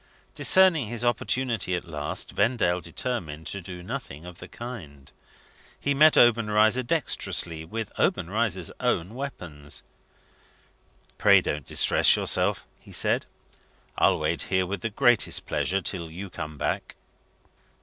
Discerning his opportunity at last, Vendale determined to do nothing of the kind. He met Obenreizer dexterously, with Obenreizer's own weapons. "Pray don't distress yourself," he said. "I'll wait here with the greatest pleasure till you come back."